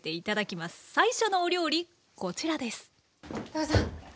どうぞ。